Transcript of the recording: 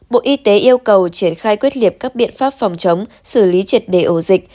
bộ y tế yêu cầu triển khai quyết liệt các biện pháp phòng chống xử lý triệt đề ổ dịch